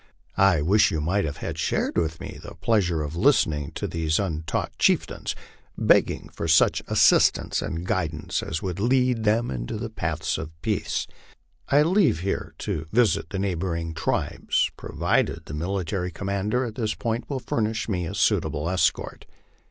I wish you might have shared with me the pleasure of listening to these untaught chieftains, begging for such assistance and guidance as would lead them in the paths of peace. I leave here on the th, to visit the neighboring tribes, provided the military commander at this point will furnish me a suitable escort.